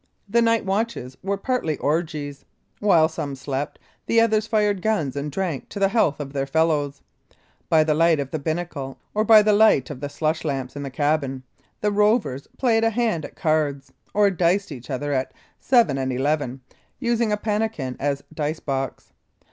The night watches were partly orgies. While some slept, the others fired guns and drank to the health of their fellows. By the light of the binnacle, or by the light of the slush lamps in the cabin, the rovers played a hand at cards, or diced each other at "seven and eleven," using a pannikin as dice box.